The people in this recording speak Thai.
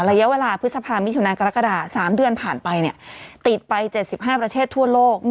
ระยะเวลาพฤษภามิถุนากรกฎา๓เดือนผ่านไปติดไป๗๕ประเทศทั่วโลก